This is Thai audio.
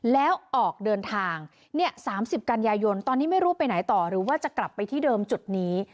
แล้วออกเดินทางเนี่ย๓๐กันยายนตอนนี้ไม่รู้ไปไหนต่อหรือว่าจะกลับไปที่เดิมจุดนี้